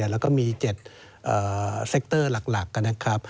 แล้วก็มี๗เซคเตอร์หลักนะครับ